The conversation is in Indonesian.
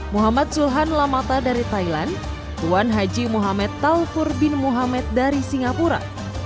muhammad zulhan lamata dari thailand tuan haji muhammad taufur bin muhammad dari singapura